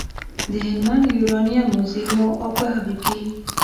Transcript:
د هلمند یورانیمو زېرمو او په هغه کې